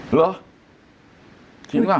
เหรอจริงป่